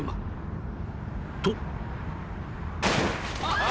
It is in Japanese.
［と］